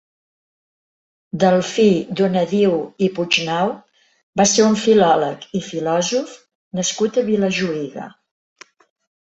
Delfí Donadiu i Puignau va ser un filòleg i filòsof nascut a Vilajuïga.